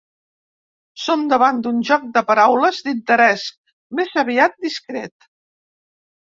Som davant d'un joc de paraules d'interès més aviat discret.